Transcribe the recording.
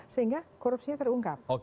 sehingga korupsinya terungkap